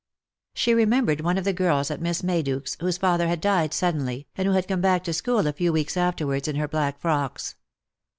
She remembered one of the girls at Miss Mayduke's, whose father had died suddenly, and who had come back to school a few weeks afterwards in her black frocks.